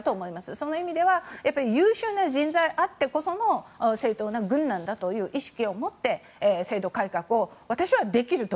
その意味では優秀な人材あってこその正当な軍なんだという意識を持って制度改革を私はできると。